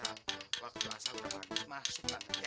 waktu puasa udah masuk banget ya